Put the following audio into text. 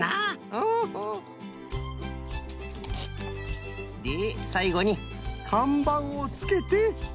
ホホ。でさいごにかんばんをつけて。